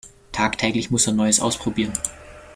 Tagtäglich muss er Neues ausprobieren.